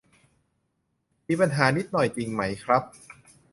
มีปัญหานิดหน่อย จริงไหมครับ